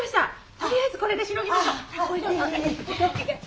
とりあえずこれでしのぎましょう。